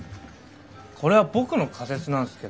これは僕の仮説なんすけど。